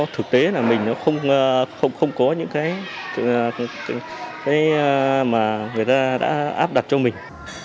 thực tế là mình nó không có những cái mà người ta đã áp đặt cho mình